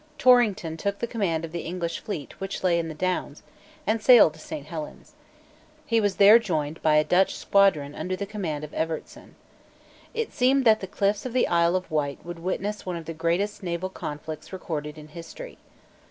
Torrington took the command of the English fleet which lay in the Downs, and sailed to Saint Helen's. He was there joined by a Dutch squadron under the command of Evertsen. It seemed that the cliffs of the Isle of Wight would witness one of the greatest naval conflicts recorded in history.